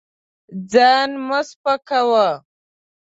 ځان مه سپکوه.